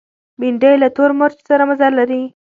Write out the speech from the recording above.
بېنډۍ له تور مرچ سره مزه لري